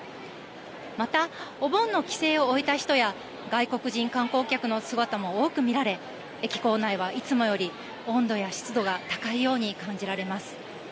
また、お盆の帰省を終えた人や外国人観光客の姿も多く見られ駅構内はいつもより温度や湿度が高いように感じられます。